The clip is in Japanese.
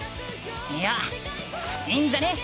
いやいいんじゃね？